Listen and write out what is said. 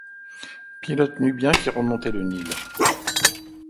Pilotes nubiens qui remontez le Nil ;